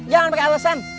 jangan pake alesan